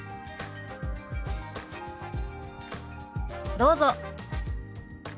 どうぞ。